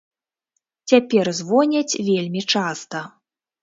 Цяпер звоняць вельмі часта.